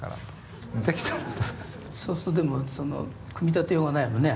そうするとでも組み立てようがないよね。